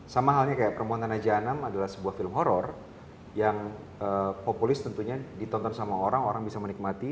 sama halnya kayak perempuan tanah janam adalah sebuah film horror yang populis tentunya ditonton sama orang orang bisa menikmati